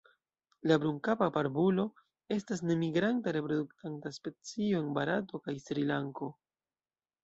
La Brunkapa barbulo estas nemigranta reproduktanta specio en Barato kaj Srilanko.